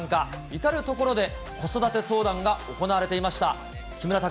至る所で子育て相談が行われていました。